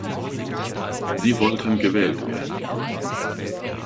Sie wollten gewählt werden.